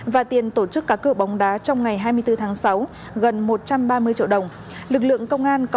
và tiền tổ chức cá cựa bóng đá trong ngày hai mươi bốn tháng sáu gần một trăm ba mươi triệu đồng